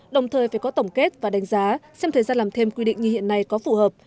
đồng thời phải có tổng kết và đánh giá xem thời gian làm thêm quy định như hiện nay có phù hợp